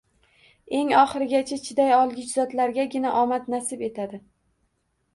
Eng oxirigacha chiday olgich zotlargagina omad nasib etadi.